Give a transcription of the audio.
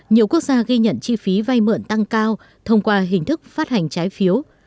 nhiều quốc gia ghi nhận chi phí vay mượn tăng cao thông qua hình thức phát hành trái phiếu